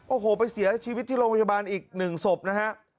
โอ้โหไปเสียชีวิตที่โรงพยาบาลอีกหนึ่งศพนะฮะ